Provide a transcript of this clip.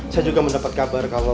saya juga mendapat kabar kalau